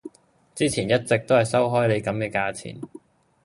之前一直都係收開你咁嘅價錢